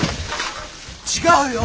違うよ。